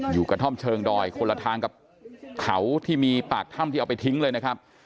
กระท่อมเชิงดอยคนละทางกับเขาที่มีปากถ้ำที่เอาไปทิ้งเลยนะครับ